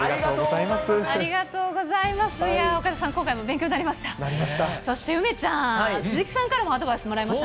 いやー、岡田さん、今回も勉強になりました。